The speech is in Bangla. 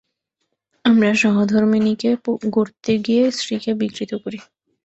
আমরা সহধর্মিণীকে গড়তে গিয়ে স্ত্রীকে বিকৃত করি।